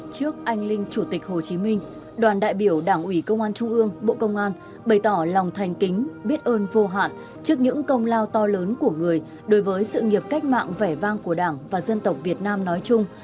trước anh linh chủ tịch hồ chí minh đoàn đại biểu đảng ủy công an trung ương bộ công an bày tỏ lòng thành kính biết ơn vô hạn trước những công lao to lớn của người đối với sự nghiệp cách mạng vẻ vang của đảng và dân tộc việt nam nói chung